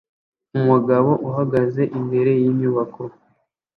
umugabo uhagaze imbere yinyubako